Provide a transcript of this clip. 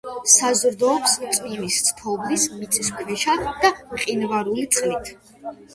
საზრდოობს წვიმის, თოვლის, მიწისქვეშა და მყინვარული წყლით.